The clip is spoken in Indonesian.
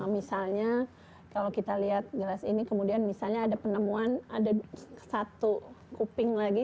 misalnya kalau kita lihat gelas ini kemudian misalnya ada penemuan ada satu kuping lagi